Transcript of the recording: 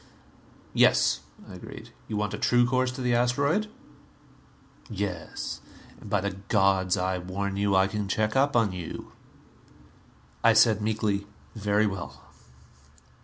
"Yes," I agreed. "You want a true course to the asteroid?" "Yes. And by the gods, I warn you, I can check up on you!" I said meekly, "Very well.